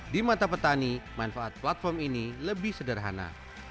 di mata petani manfaat platform ini lebih sederhana